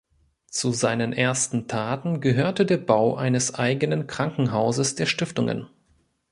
Zu seinen ersten Taten gehörte der Bau eines eigenen Krankenhauses der Stiftungen.